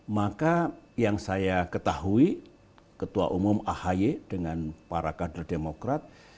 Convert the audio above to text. maka yang saya ketahui ketua umum ahi dengan para kader demokrat